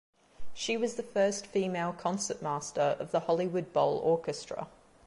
She was the first female concertmaster of the Hollywood Bowl Orchestra.